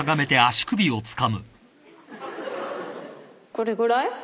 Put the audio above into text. これぐらい？